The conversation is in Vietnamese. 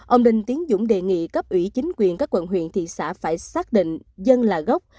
ông đinh tiến dũng đề nghị cấp ủy chính quyền các quận huyện thị xã phải xác định dân là gốc